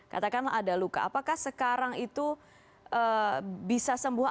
katakanlah ada luka apakah sekarang itu bisa sembuh